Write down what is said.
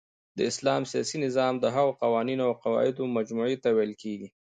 د اسلام سیاسی نظام د هغو قوانینو اوقواعدو مجموعی ته ویل کیږی